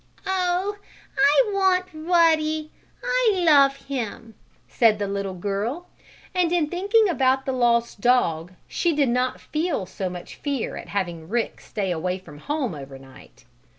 "Oh, I want Ruddy! I love him!" said the little girl, and in thinking about the lost dog she did not feel so much fear at having Rick stay away from home over night.